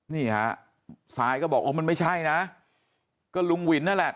นี่ฮะซายก็บอกโอ้มันไม่ใช่นะก็ลุงวินนั่นแหละ